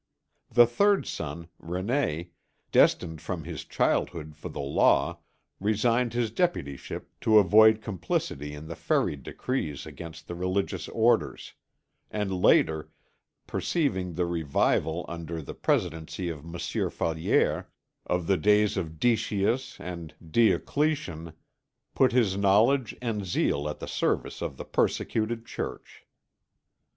The third son, René, destined from his childhood for the law, resigned his deputyship to avoid complicity in the Ferry decrees against the religious orders; and later, perceiving the revival under the presidency of Monsieur Fallières of the days of Decius and Diocletian, put his knowledge and zeal at the service of the persecuted Church.